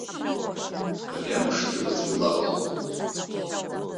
Ари амшгьы уаҵәы илакәхоит.